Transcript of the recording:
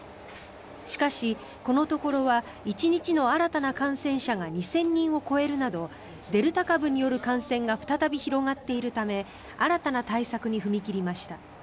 しかし、このところは１日の新たな感染者が２０００人を超えるなどデルタ株による感染が再び広がっているため新たな対策に踏み切りました。